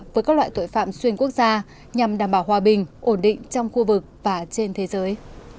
với các loại tội phạm xuyên quốc gia nhằm đảm bảo hòa bình ổn định trong khu vực và trên thế giới